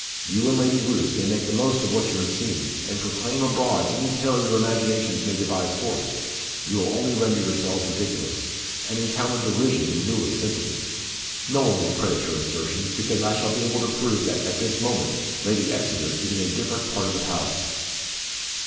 You and Lady Roos may make the most of what you have seen; and proclaim abroad any tale your imaginations may devise forth. You will only render yourselves ridiculous, and encounter derision in lieu of sympathy. No one will credit your assertions, because I shall be able to prove that, at this moment, Lady Exeter is in a different part of the palace."